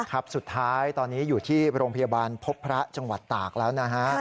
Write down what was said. ครับสุดท้ายตอนนี้อยู่ที่โรงพยาบาลพบพระจังหวัดตากแล้วนะฮะ